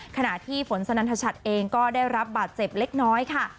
ขณะที่ฝนสนันทชัดเองก็ได้รับบาดเจ็บเล็กน้อยค่ะ